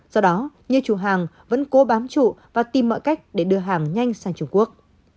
do đó nhiều chủ hàng vẫn cố bám trụ và tìm mọi cách để đưa hàng nhanh sang trung quốc